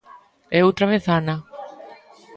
E outra vez Ana.